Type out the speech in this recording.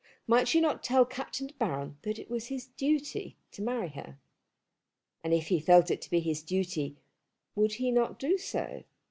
Might she not tell Captain De Baron that it was his duty to marry her? And if he felt it to be his duty would he not do so?